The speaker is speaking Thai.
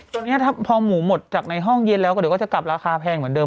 ตรงนี้ถ้าพอหมูหมดจากในห้องเย็นแล้วก็เดี๋ยวก็จะกลับราคาแพงเหมือนเดิ